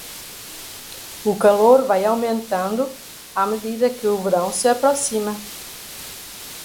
O calor vai aumentando à medida que o verão se aproxima.